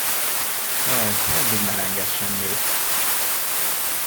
Jaj, meddig melengessem még?